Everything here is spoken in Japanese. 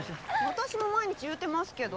私も毎日言うてますけど？